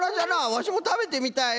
わしもたべてみたい。